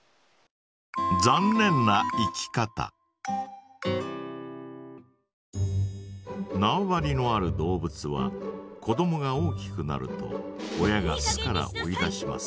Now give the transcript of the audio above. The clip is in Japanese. なわ張りのある動物は子どもが大きくなると親が巣から追い出します。